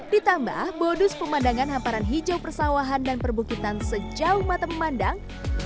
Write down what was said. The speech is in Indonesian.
ditambah bonus pemandangan hamparan hijau persawahan dan perbukitan sejauh mata memandang